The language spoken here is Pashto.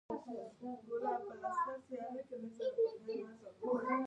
وسله د ښوونځي دروازې بندوي